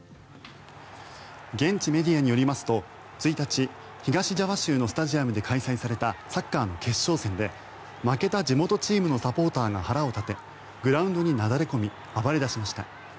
現地メディアによりますと１日東ジャワ州のスタジアムで開催されたサッカーの決勝戦で負けた地元チームのサポーターが腹を立てグラウンドになだれ込み暴れ出しました。